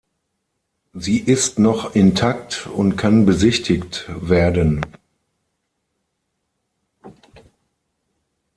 Sie ist noch intakt und kann besichtigt werden.